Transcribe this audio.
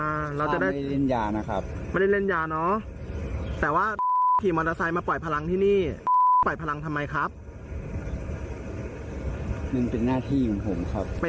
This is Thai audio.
อ่าเดี๋ยวดูหน่อยค่ะ